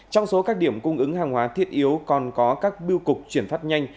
trong số các điểm cung ứng hàng hóa thiết yếu còn có các biêu cục chuyển phát nhanh